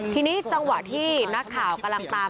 ทีนี้จังหวะที่นักข่าวกำลังตาม